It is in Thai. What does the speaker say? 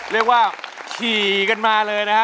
เรียกว่าขี่กันมาเลยนะฮะ